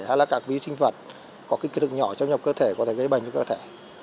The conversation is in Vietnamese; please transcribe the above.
hay là các ví sinh vật có kích thức nhỏ xâm nhập cơ thể có thể gây bệnh cho cơ thể